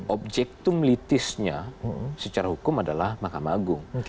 objektum litisnya secara hukum adalah mahkamah agung